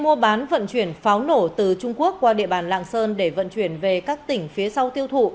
một đường dây mua bán vận chuyển pháo nổ từ trung quốc qua địa bàn lạng sơn để vận chuyển về các tỉnh phía sau tiêu thụ